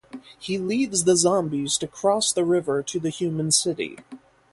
He leads the zombies to cross the river to the human city.